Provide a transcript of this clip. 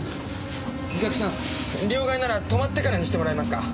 お客さん両替なら停まってからにしてもらえますか？